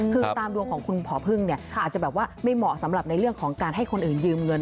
คือตามดวงของคุณพ่อพึ่งเนี่ยอาจจะแบบว่าไม่เหมาะสำหรับในเรื่องของการให้คนอื่นยืมเงิน